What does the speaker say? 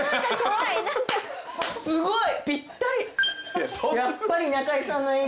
すごい。